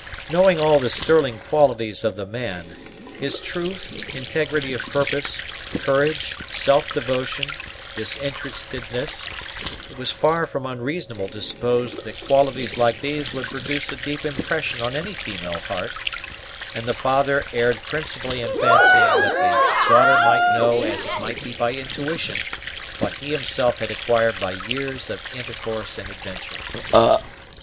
Knowing all the sterling qualities of the man, his truth, integrity of purpose, courage, self devotion, disinterestedness, it was far from unreasonable to suppose that qualities like these would produce a deep impression on any female heart; and the father erred principally in fancying that the daughter might know as it might be by intuition what he himself had acquired by years of intercourse and adventure.